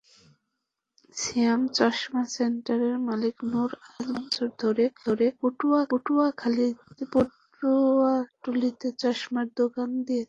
সিয়াম চশমা সেন্টারের মালিক নূর আলম পাঁচ বছর ধরে পাটুয়াটুলীতে চশমার দোকান দিয়েছেন।